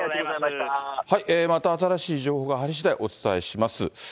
また新しい情報が入りしだい、お伝えします。